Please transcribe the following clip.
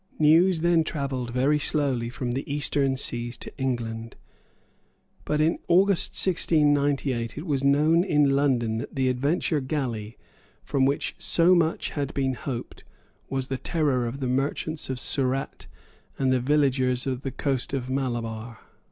News then travelled very slowly from the eastern seas to England. But, in August 1698, it was known in London that the Adventure Galley from which so much had been hoped was the terror of the merchants of Surat, and of the villagers of the coast of Malabar.